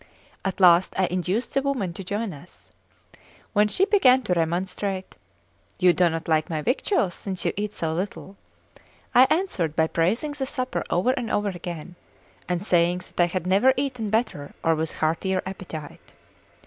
At last I induced the woman to join us; when she began to remonstrate: "You do not like my victuals, since you eat so little." I answered by praising the supper over and over again, and saying that I had never eaten better or with heartier appetite.